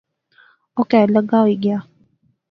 اہ کہھر لگا ہوئی گیا